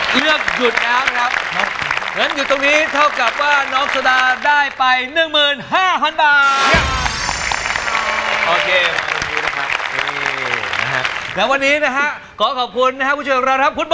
เชื่อพี่กรรมขี้ดีกว่าคำถูก